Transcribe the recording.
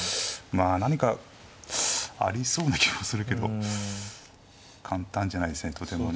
まあ何かありそうな気はするけど簡単じゃないですねとてもね。